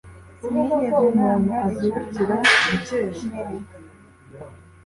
Sinigeze ntanga ijambo mbere